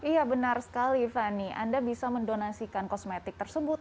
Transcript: iya benar sekali fani anda bisa mendonasikan kosmetik tersebut